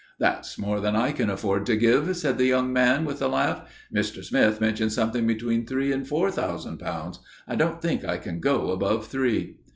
"That's more than I can afford to give," said the young man, with a laugh. "Mr. Smith mentioned something between three and four thousand pounds. I don't think I can go above three."